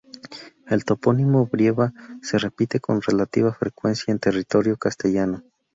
El topónimo Brieva se repite con relativa frecuencia en territorio castellano.